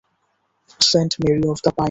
Saint Mary of the pine.